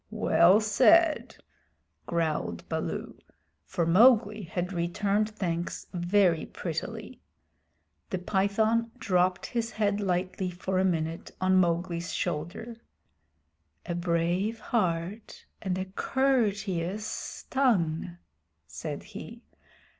"Well said," growled Baloo, for Mowgli had returned thanks very prettily. The Python dropped his head lightly for a minute on Mowgli's shoulder. "A brave heart and a courteous tongue," said he.